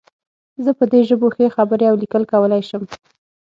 زه په دې ژبو ښې خبرې او لیکل کولی شم